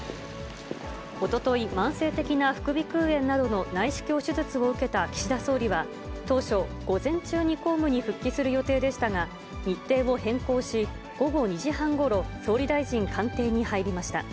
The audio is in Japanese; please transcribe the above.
おととい、慢性的な副鼻腔炎などの内視鏡手術を受けた岸田総理は当初、午前中に公務に復帰する予定でしたが、日程を変更し、午後２時半ごろ、総理大臣官邸に入りました。